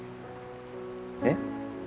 えっ？